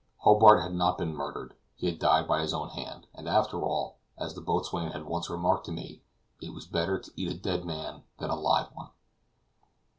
Hobart had not been murdered; he had died by his own hand; and, after all, as the boatswain had once remarked to me, "It was better to eat a dead man than a live one."